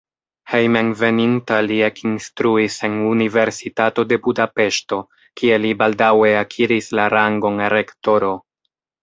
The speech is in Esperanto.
Hejmenveninta li ekinstruis en universitato de Budapeŝto, kie li baldaŭe akiris la rangon rektoro.